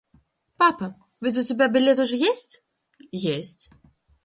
Папа, ведь у тебя билет уже есть? – Есть.